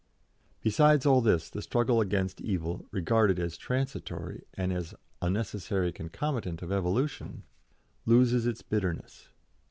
" Besides all this, the struggle against evil, regarded as transitory and as a necessary concomitant of evolution, loses its bitterness.